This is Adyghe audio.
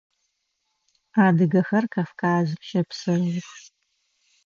Адыгэхэр Кавказым щэпсэух.